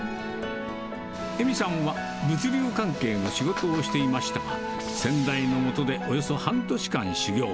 恵美さんは、物流関係の仕事をしていましたが、先代の下でおよそ半年間修業。